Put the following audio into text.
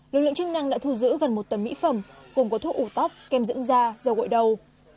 lượng lượng chức năng đã thu giữ gần một tầm mỹ phẩm gồm có thuốc ủ tóc kem dưỡng da dầu gội đầu